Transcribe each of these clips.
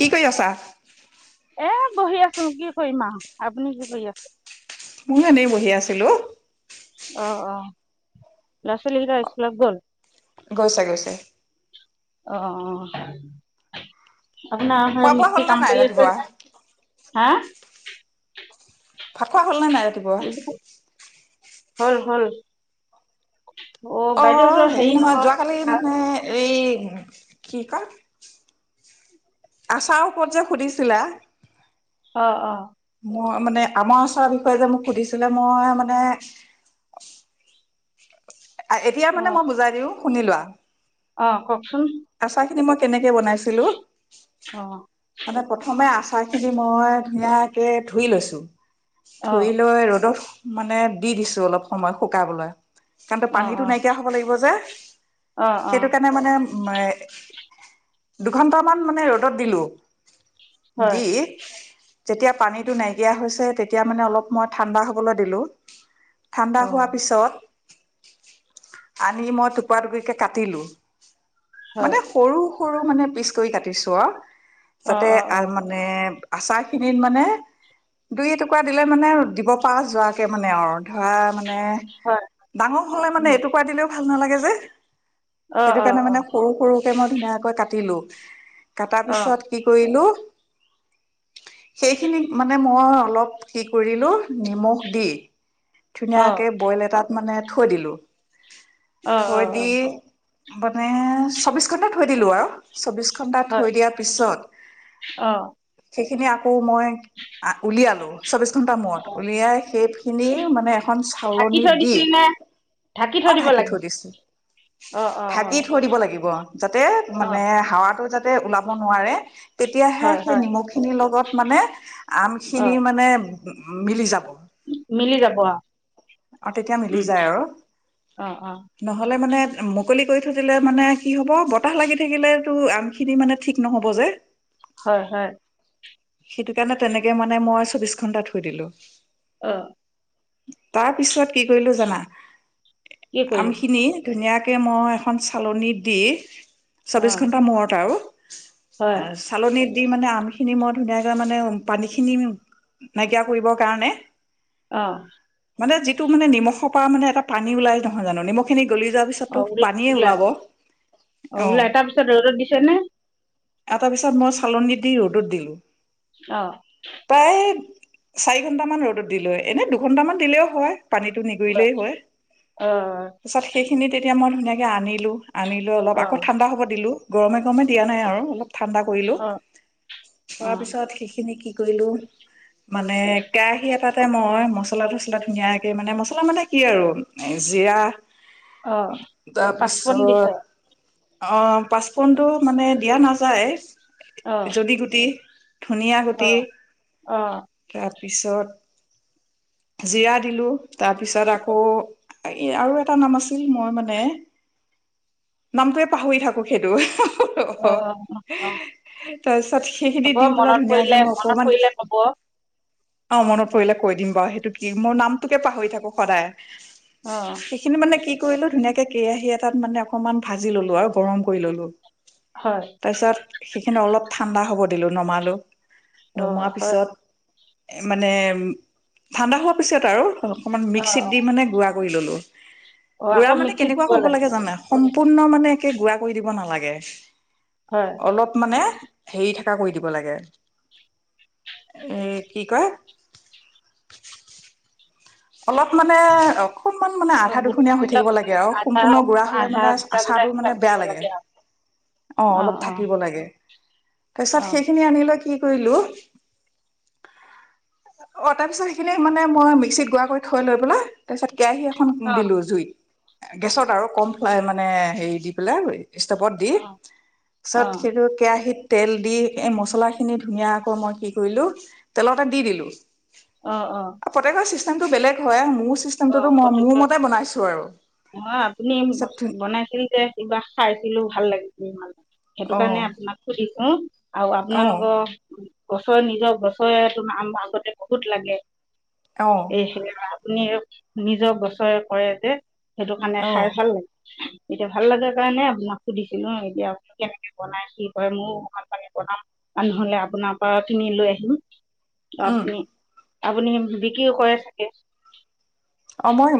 কি কৰি আছা? এ বহি আছো কি কৰিম আৰ। আপুনি কি কৰি আছে? মইও এনেই বহি আছিলোঁ। অ অ ল'ৰা ছোৱালীকেটা স্কুলত গ'ল। গৈছে গৈছে। অ অ [unintelligible] আপোনাৰ হে খোৱা বোৱা হ'ল মিস্ত্ৰী নে কাম নাই কৰি আছে ৰাতিপুৱা? নে? হা ভাত খোৱা হ'ল না নাই ৰাতিপুৱা? হ'ল হ'ল। অ হেৰি নহয় যোৱাকালি মানে এই কি কয়? আচাৰ ওপৰত যে সুধিছিলা? অ অ মই মানে আমাৰ আচৰ বিষয়ে যে মোক সুধিছিলে মই মানে এতিয়া অ মানে মই বুজাই দিওঁ। শুনি লোৱা অ', কওঁকচোন। আচা খিনি মই কেনেকে বনাইছিলো। অ মানে প্ৰথমে আচাৰ খিনি মই ধুনীয়াকে ধুই লৈছো। অ ধুই লয় ৰ'দত মানে দি দিছো অলপ সময় শুকাবলৈ। কাৰণ তো অ পানীটো নাইকিয়া হ'ব লাগিব যে অ অ অ সেইটো কাৰণে মানে। মই দুঘন্টামান মানে ৰ'দত দিলো। হয় দী যেতিয়া পানীটো নাইকিয়া হৈছে তেতিয়া মানে অলপ মই ঠাণ্ডা হ'বলৈ দিলো। ঠাণ্ডা অ হোৱা পিছত আনি মই টুপুৰা টুকুৰিকে কাটিলো। হয় মানে সৰু সৰু মানে পিচ কৰি কাটিছো অ'। অ যাতে অ অ আৰু মানে আচাৰ খিনিত মানে দুই এটুকুৰা দিলে মানে দিব পাৰা যোৱাকে মানে আৰু ধৰা মানে। মানে হয় ডাঙৰ হলে মানে উম, এটুকুৰা দিলেও ভাল নালাগে যে। অ সেইটো অ কাৰণে অ মানে সৰু সৰুকে মই ধুনীয়াকৈ কাটিলো। [inaudible] কাটাৰ অ পিছত কৰিলো সেইখিনি মানে মই অলপ কি কৰিলো নিমখ দি অ ধুনীয়াকে বইল এটাত মানে থৈ দিলো। অ অ থৈ অ দি মানে চৌবিশ ঘন্টা থৈ দিলো আৰু চৌবিশ তছ ঘণ্টা হয় থৈ দিয়াৰ পিছত অ'। সেইখিনি আকৌ মই উলিয়ালোঁ। চৌব্বিছ ঘণ্টা মূৰত অ উলিয়াই সেই খিনি মানে এখন চালন ঢাকি থৈ দি দিছিল নে অ', ঢাকি থৈ দিছো অ অ অ ঢাকি থৈ দিব লাগিব যাতে অ মানে হাৱাটো যাত ওলাব নোৱাৰে, তেতিয়াহে হয় সেই হয় নিমখ খিনিৰ লগত মানে অ আমখিনি মানে মিলি যাব। মিলি যাব। অ', আৰু তেতিয়া মিলি যায় আৰু অ অ নহ'লে মানে মুকলি কৰি থৈ দিলে মানে কি হ'ব? বতাহ লাগি থাকিলেটো আমখিনি মানে ঠিক নহ'ব যে। হয়-হয়। সেইটো কাৰণে তেনেকে মানে মই চৌবিশ ঘন্টাত থৈ দিলো। অ', [inaudible] তাৰ পিছত কি কৰিলো জানা? কি কৰিবি আমখিনি ধুনীয়াকে তাকে মই এখন চালনীত দি অ চৌব্বিছ ঘণ্টা মূৰত আৰু হয় আৰু চালনীত দি, মানে আম খিনি মই ধুনীয়াকে মানে উ পানী খিনি নাইকিয়া কৰিবৰ কাৰণে, অ', পা মানে এটা পানী ওলাই নহয় জানো নিমখখিনি গলি যোৱাৰ পিছততো অ' পানীয়ে ওলাই-ওলাই ওলাব অ' ওলাই, তাৰপিছত ৰ'দত দিছ নে? এটা পিছত মই চালনী দি ৰ'দত দিলো। অ তাই চাৰি ঘণ্টামান ৰ'দত দিলো, এনে দুঘণ্টামান দিলেও হয়। পানীটো অ নিগুৰিলেই হয়। অ পিছত সেইখিনি তেতিয়া মই, তেনেকৈ আনিলোঁ। আনিলো অলপ অ আকৌ ঠাণ্ডা হ'ব দিলোঁ। গৰমে-গৰম, দিয়া নাই আৰু অলপ ঠাণ্ডা কৰিলোঁ, অ কৰাৰ পিছত সেইখিনি কি কৰিলো, মানে কেৰাহি এটাতে মই মছলা টো ধুনীয়াকৈ, মছলা মানে কি আৰু জিলা, অ পাঁচপন তাৰপিছত দিছে অ' পাঁচফুনটো মানে দিয়া নাযায়, অ যদি, গুটি ধুনীয়া অ গুটি, অ তাত পিছত, জিৰা দিলোঁ, তাৰপিছত আকৌ, এই আৰু এটা নাম আছিল, মই মানে নামটোৱে পাহৰি থাকো। সেইটো অ অ তাৰপিছত সেইখিনি হ'ব দি পেলাই মনত পৰিলে ধুনীয়াকে মই মনত অকমান পৰিলে ক'ব অ মনত পৰিলে কৈ দিম বা সেইটো কি মোৰ নামটোকে পাহৰি থাকো সদায় অ সেইখিনি মানে কি কৰিলো ধুনীয়াকে কেৰাহী এটাত মানে অকনমান ভাজি ললো আৰু গৰম কৰি ললো হয় তাৰপিছত সেইখিনি অলপ ঠাণ্ডা হ'ব দিলো নমালো অ নুমোৱা হয় পিছত মানে উম ঠাণ্ডা হোৱাত পিছত আৰু অকণমান অ মিক্সিত দি মানে গুৰা ধুই ল'লো অ গু়ৰা আকৌ মানে মিক্সিত কেনেকুৱা দিব কৰিব লাগে জানা সম্পূৰ্ণ মানে একে গুৰা কৰি দিব নালাগে হয় অলপ মানে হেৰি থকা কৰি দিব লাগে এ কি কয় অলপ মানে অকণমান মানে অ, আধা গোটা দুখনীয়া হৈ গোটা থাকিব লাগে আৰু আধা সম্পূৰ্ণ গুৰা হলে আধা মানে গোটা গোটা আচাৰটো মানে বেয়া দিব লাগে আও অ অলপ থাকিব লাগে তাৰ পিছত অ সেইখিনি আনিলৈ কি কৰিলো অ তাৰপিছত সেইখিনি মানে মই মিক্সিত গুৰা থৈ লৈ পেলাই তাৰপিছত কেৰাহী এখন অ দিলো জুইত গেছত আৰু কমফাই মানে হেৰি দি পেলাই হ ষ্টপত দি অ পিছত অ', সেইটো কেৰাহীত তেল দি এই মছলাখিনি ধুনীয়াকৈ মই কি কৰিলো তেলতে দি দিলো আহ অ আৰু [unintelligible] বেলেগ হয় ম অ প অ আপুনি তাৰপিছত বনাইছিল যে কিবা খাইছিলো ভাল লাগিল উম সেইটো অ কাৰণে আপোনাক সুধিছো আৰু অ আপোনালোকৰ গছৰ নিজৰ গছৰে আমটো আগতে বহুত লাগে অ এ হে আপুনি নিজৰ বছৰে কৰে যে সেইটো কাৰণে অ খাই ভাল লাগে এতিয়া ভাল লাগে কাৰণে আপোনাক সুধিছিলো এতিয়া আপুনি কেনেকে বনাই, কি কৰে, মোয়ো ভাল পালে বনাম আৰু নহলে আপোনাৰ পৰা কিনি লৈ আহিম উম আপোনি আপুনি বিক্ৰীও কৰে চাগে অ মই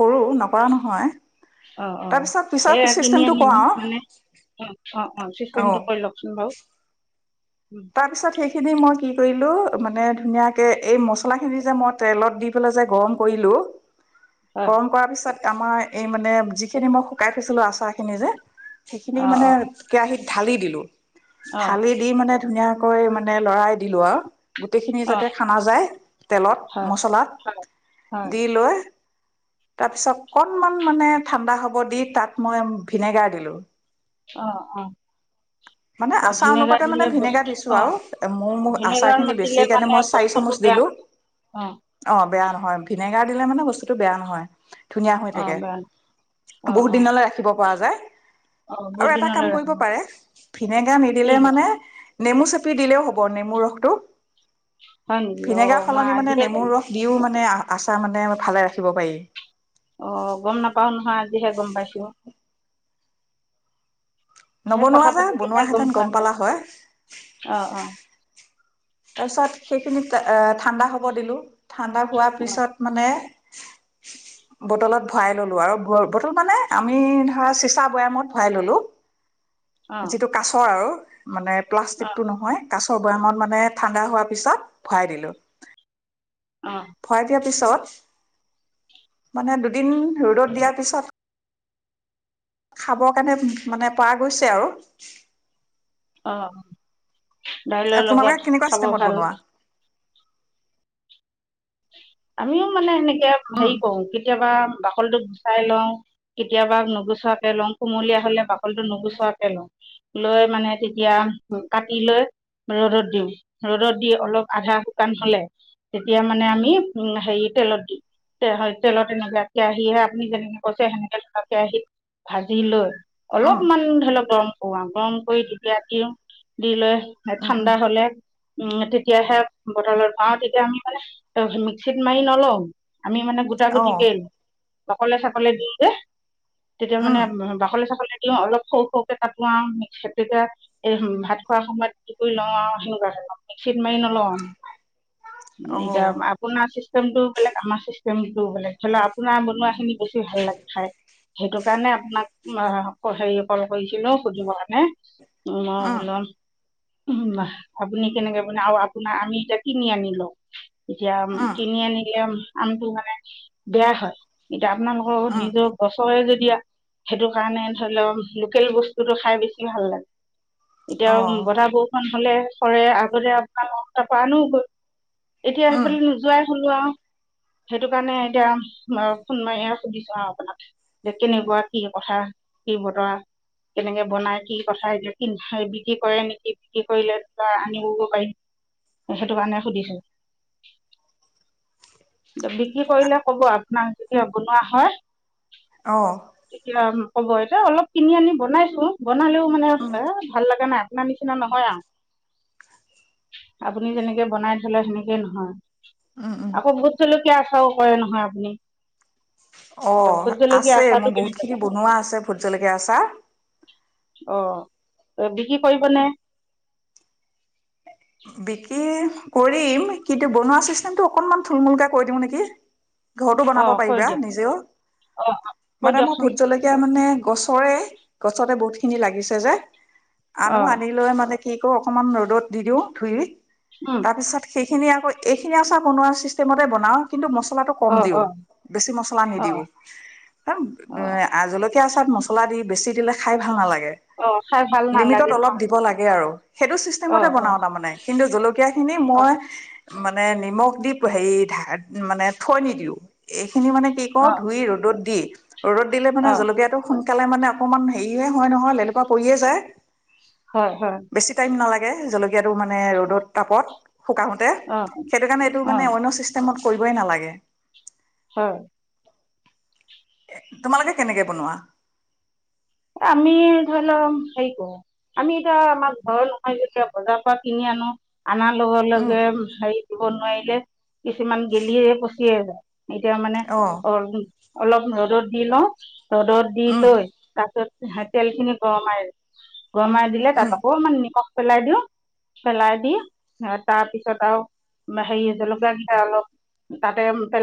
কৰো নকৰা নহয় অ অ, তাৰপিছত পিছত সেইয়া কিনি চিষ্টেমটো কওঁ আনিম আৰু মানে অ অ অ চিষ্টেমটো কৰি লওকচোন বাও তাৰ পিছত সেইখিনি মই কি কৰিলো মানে ধুনীয়াকে এই মছলা খিনি যে মই তেলত দি পেলাই যে গৰম কৰিলো হয় গৰম কৰাৰ পিছত আমাৰ এই মানে যিখিনি মই শুকাই থৈছিলো আচাৰ খিনি যে অ সেইখিনি মানে অ কেৰাহিত ঢালি দিলো অ থালি দি মানে ধুনীয়াকৈ মানে লৰাই দিলো আৰু গোটেইখিনি অ যাতে খানা যায় তেলত, হয় মচলাত, হয় হয় দি লৈ তাপিছত অকণমান মানে ঠাণ্ডা হ'ব দি তাত মই ভিনেগাৰ দিলো অ অ মানে অ আচাৰ ভিনেগাৰ অনুপাতে মানে দিলে ভিনেগাৰ বস্তু দিছো অ আও মোৰ ম আচাৰ ভিনেগাৰ খিনি নাতিলে বেছি কাৰণে মানে মই চাৰি বস্তুটো চামুচ বেয়া দিলো। না- অ অ বেয়া নহয় ভিনে গাৰ দিলে মানে বস্তুতটো বেয়া নহয় ধুনীয়া হৈ অ থাকে। বেয়া না- অ বহুত অ দিনলৈ ৰাখিব পোৱা যায় অ বহুত আৰু এটা কাম দিনলৈ কৰিব ৰাখিব পাৰে ভিনেগাৰ কি নিদিলে গম মানে নেমু চেপি দিলেও হ'ব নেমুৰ ৰসটো হয় নেকি অ ভিনেগাৰ মই সলনি মানে আজিহে নেমুৰ জানো ৰস দিও মানে আচাৰ মানে ভালে ৰাখিব পাৰি অ গম নাপাও নহয় আজিহে গম পাইছো সেই নবনোৱা কথা যে, পাতিলেহে বনোৱাহেঁতেন পোৱা গম যায় পালা হয় অ অ তাৰ পিছত সেইখিনি ঠাণ্ডা হ'ব দিলো ঠাণ্ডা হোৱাৰ অ পিছত মানে বটলত ভৰাই ললো আৰু বটল মানে আমি ধৰা চিচা বৈয়ামত ভৰাই ললো অ যিটো কাছৰ আৰু মানে অ প্লাষ্টিকতটো নহয় কাচ [unintelligible] আমাৰ মানে ঠাণ্ডা হোৱাৰ পিছত ভৰাই দিলো। অ [unintelligible] পিছত মানে দুদিন ৰ'দত দিয়াৰ পিছত খাব কাৰণে মানে পৰা গৈছে আৰু। অঁ, দাইলৰ তোমালোকে লগত কেনেকুৱা খাব চিষ্টেমত ভাল। বনোৱা আমিও মানে এনেকে উম [unintelligible] কেতিয়াবা বাকলিটো গুচাই লওঁ, কেতিয়াবা নোগুচোৱাকে লওঁ কুমলীয়া হলে বাকলিটো নোগুচোৱাকে লওঁ লৈ মানে তেতিয়া কাটি লৈ ৰ'দত দিওঁ, ৰ'দত দি অলপ আধা শুকান হলে তেতিয়া মানে আমি উম হেৰি তেলত দি [unintelligible] তেলত তেনেকে কেৰাহি আপুনি যেনেকে কৈছে সেনেকে [unintelligible] কেৰাহিত ভাজি লৈ উম অলপমান ধৰি লওক [unintelligible] [unintelligible] গৰম কৰি [unintelligible] দি লৈ উম উম ঠাণ্ডা হলে উম, তেতিয়াহে বতলত [unintelligible] তেতিয়া আমি মানে [unintelligible] মিক্সিত মাৰি নলওঁ। আমি মানে গোটা অ গুটি [unintelligible] অকলে চকলে দি যে তেতিয়া মানে উম বাকলি চাকলি [unintelligible] অলপ সৌ সৌকে কাটো আৰু [unintelligible] তেতিয়া এই ভাত খোৱা সময়ত [unintelligible] কৰি লওঁ আৰু সেনেকুৱা মিক্সিত মাৰি নলওঁ আৰু। অ এতিয়া আপোনাৰ চিষ্টেমটো বেলেগ আমাৰ চিষ্ট [unintelligible] আপোনাৰ বনোৱা খিনি বেছি ভাল লাগে খাই। সেইটো কাৰণে আপোনাক [unintelligible] হেৰি কল কৰিছিলো সুধিব কাৰণে। উম [unintelligible] উম, আপুনি কেনেকে [unintelligible] আৰু আপোনাৰ আমি এতিয়া কিনি আনিলোঁ। [unintelligible] এতিয়া উম কিনি আনিলে আমটো মানে বেয়া হয়। [unintelligible] তিয়া আপোনালোকৰ উম নিজৰ গছৰে য [unintelligible] সেইটো কাৰণে ধৰি লওঁক লোকেল বস্তুটো খাই বেছি ভাল লাগে। অ এতিয়াও বতাহ বৰষুণ হ'লে চৰে আগতে আপোনাৰ [unintelligible] পৰা আনো গৈ। এতিয়া উম সেইফালে নোযোৱাই [unintelligible] লো আৰু সেইটো কাৰণে এতিয়া ফোন মাৰিয়ে সুধিছো আৰু আপোনাক যে কেনেকুৱা কি কথা কি বতৰা কেনেকে বনাই কি কথা এতিয়া [unintelligible] বিক্ৰী কৰে নেকি বিক্ৰী কৰিলে আনিবগ পাৰিম সেইটো কাৰণে সুধিছো। বিক্ৰী কৰিলে কব আপোনাক যেতিয়া বনোৱা হয়। অ এতিয়া ন। হ'ব এতিয়া অলপ কিনি আনি বনাইছো। বনালেও মানে, উম ভাল লগা নাই। না নিচিনা নহয় আৰু আপুনি যেনেকে বনাই থলে সেনে। হে নহয়। উম উম আকৌ ভুত জলকীয়া। কষ্টও কৰে নহয় আপুনি। অ এতিয়া ভোট জলকীয়া আছে, আচাৰটো মোৰ বহুত কেনেকে খিনি কৰে? বনোৱা আছে ভোত জলকীয়া আচাৰ। অ বিক্ৰী কৰিব নে? বিকি। কৰিম, কিন্তু বনোৱা চিষ্টেমটো অকনমান থুলমূলকে কৈ দিও নেকি? ঘৰতো অ বনাব কৈ পাৰিবা দিয়ক নিজেও, অ কৈ মানে মই দিয়কচোন ভোত জলকীয়া মানে। গছৰে, গছতে বহুতখিনি লাগিছে যে। অ আনো আনি লৈ মানে। সেইটো অকণমান ৰ'দত দি দিওঁ। ধুইয়ে। উম তাৰ পিছত। সেইখিনি আকৌ এইখিনি আচাৰ বনোৱা ছিষ্টেমতে বনাওঁ। কিন্তু মছলাটো অ কম দিওঁ, অ বেছি মছলা অ নিদিওঁ। অ জলকীয়াা আচাৰত মছলা দি বেছি দিলে খাই ভাল নালাগে। অ খাই ভাল লিমিটত নালাগে অলপ দিব লাগে আৰু। সেইটো অ চিষ্টেমতে অ বনাওঁ তাৰমানে। জলকীয়া। জলকীয়া খিনি অ মই। মানে নিমখ দি হেৰি মানে থৈ নিদিও। খিনি মানে কি কৰো, অ ধুই ৰ'দত দি। ৰ'দত দিলে মানে অ জলকীয়াটো। সোনকালে মানে অকমান হেৰিয়ে হয় নহয়, লেলোপা পৰিয়ে যায় হয় হয় বেছি টাইম নালাগে। জলকীয়া টো মানে। মানে ৰ'দত তাপত। শুকাওতে, অ সেইটো কাৰণে এইটো অ মানে অন্য চিষ্টেমত। কৰিবই নালাগে হয় তোমালোকে কেনেকে বনোৱা? আমি ধৰি লওক হেৰি কৰো, আমি এতিয়া আমাৰ ঘৰৰ নহয় যেতিয়া বজাৰৰ পৰা কিনি আনো আনাৰ লগে উম লগে হেই দিব নোৱাৰিলে কিছুমান গেলিয়ে পচিয় আহে যায় এতিয়া মানে অ অলপ ৰ'দদ দি লওঁ ৰদত দি উম লৈ তছত তেল খিনি গৰমাই গৰমাই দিলে উম তাত আকৌ মমানে পেলাই দিওঁ পেলাই দি তাৰপিছত আৰু হে জলকীয়া কেইটা অলপ তাতে পেলাই